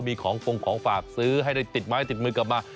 มีของฟงของฝากซื้อให้ได้ติดไม้ติดมือกลับมา